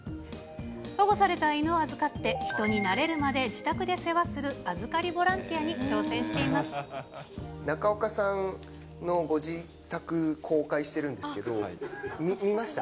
保護された犬を預かって、人に慣れるまで自宅で世話する預かりボランティアに挑戦していま中岡さんのご自宅公開してるんですけど、見ました？